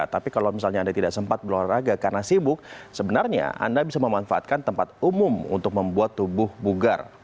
tapi kalau misalnya anda tidak sempat berolahraga karena sibuk sebenarnya anda bisa memanfaatkan tempat umum untuk membuat tubuh bugar